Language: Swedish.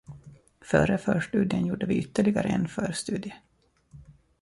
Före förstudien gjorde vi ytterligare en förstudie